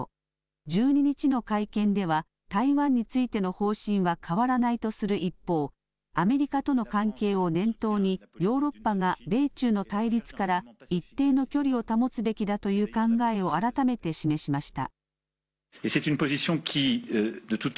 １２日の会見では台湾についての方針は変わらないとする一方、アメリカとの関係を念頭にヨーロッパが米中の対立から一定の距離を保つべきだという考えを改めて示しました。